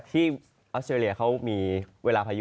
ที่ออสเตอรียีเขามีเวลาพัยุ